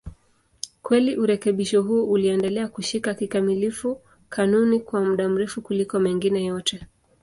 Kweli urekebisho huo uliendelea kushika kikamilifu kanuni kwa muda mrefu kuliko mengine yote.